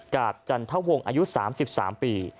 กับจันทะวงอายุ๓๓ปี